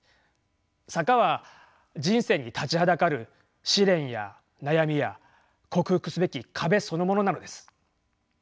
坂は人生に立ちはだかる試練や悩みや克服すべき壁そのものなのです。